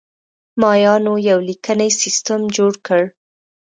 مایانو یو لیکنی سیستم جوړ کړ